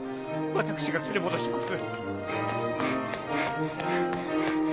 私が連れ戻します。